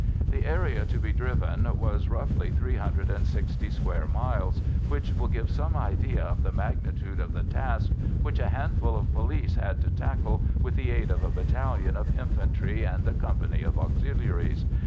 The area to be driven was roughly three hundred and sixty square miles, which will give some idea of the magnitude of the task which a handful of police had to tackle with the aid of a battalion of infantry and a company of Auxiliaries.